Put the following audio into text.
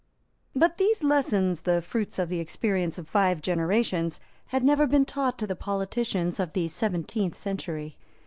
But these lessons, the fruits of the experience of five generations, had never been taught to the politicians of the seventeenth century.